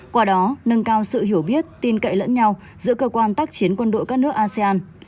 qua đó nâng cao sự hiểu biết tin cậy lẫn nhau giữa cơ quan tác chiến quân đội các nước asean